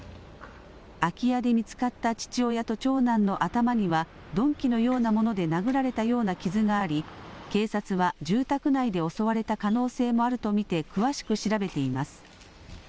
空き家で見つかった父親と長男の頭には、鈍器のようなもので殴られたような傷があり、警察は住宅内で襲われた可能性もあると見て、詳しく調べています。